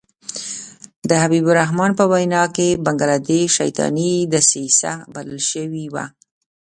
د حبیب الرحمن په وینا کې بنګله دېش شیطاني دسیسه بلل شوې وه.